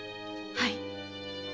はい。